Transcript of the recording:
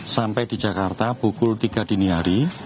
sampai di jakarta pukul tiga dini hari